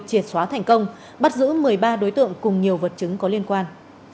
triệt xóa thành công bắt giữ một mươi ba đối tượng cùng nhiều vật chứng có liên quan